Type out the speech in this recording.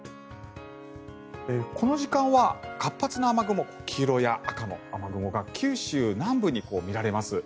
この時間は活発な雨雲黄色や青の雨雲が九州南部に見られます。